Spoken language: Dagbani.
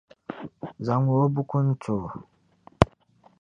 Zaŋmi O buku n ti o.